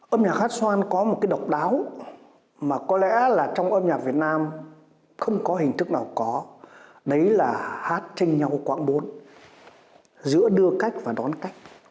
âm nhạc hát soan có một cái độc đáo mà có lẽ là trong âm nhạc việt nam không có hình thức nào có đấy là hát trên nhau quảng bốn giữa đưa cách và đón cách